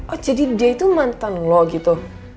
oh jadi dia itu mantan lo gitu